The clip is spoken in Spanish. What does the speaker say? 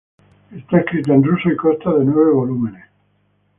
Está escrita en ruso y consta de nueve volúmenes.